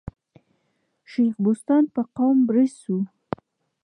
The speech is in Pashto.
شېخ بُستان په قوم بړیڅ وو.